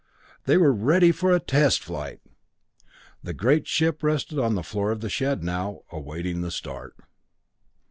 They were ready for a test flight! The great ship rested on the floor of the shed now, awaiting the start.